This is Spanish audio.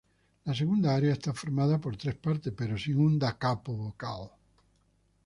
La segunda aria está formada por tres partes, pero sin un "da capo" vocal.